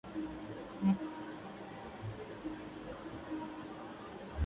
El Río Hondo según los residentes es el que se encuentra abajo del puente.